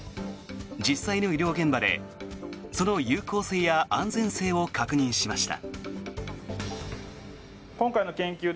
実際の医療現場でその有効性や安全性を確認しました。